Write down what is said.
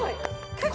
結構。